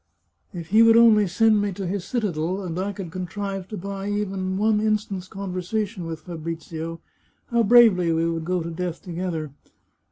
If he would only send me to his citadel, and I could contrive to buy even one instant's conversation with Fabrizio, how bravely we would go to death together